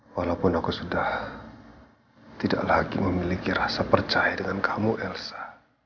walaupun aku sudah tidak lagi memiliki rasa percaya dengan kamu elsa